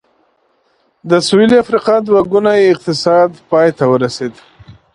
د سوېلي افریقا دوه ګونی اقتصاد پای ته ورسېد.